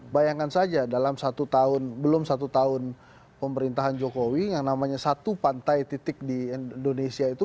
bayangkan saja dalam satu tahun belum satu tahun pemerintahan jokowi yang namanya satu pantai titik di indonesia itu